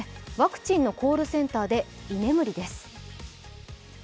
ワクチンのコールセンターで居眠りです。